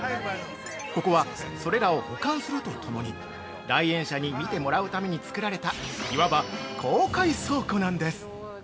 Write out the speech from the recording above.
ここは、それらを保管するとともに来園者に見てもらうために作られたいわば、公開倉庫なんです。